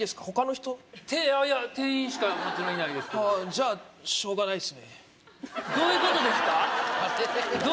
ほかの人いや店員しかうちはいないですけどじゃあしょうがないっすねどういうことですか？